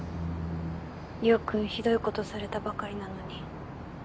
陽君ひどいことされたばかりなのに。